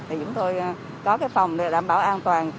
thì chúng tôi có cái phòng để đảm bảo an toàn